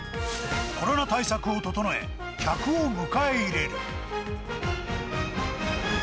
コロナ対策を整え、客を迎え入れる。